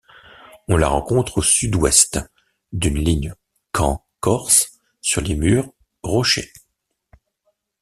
On la rencontre au sud-ouest d'une ligne Caen-Corse, sur les murs, rochers.